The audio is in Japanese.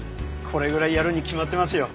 これぐらいやるに決まってますよ。